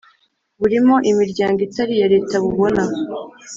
burimo imiryango itari iya Leta bubona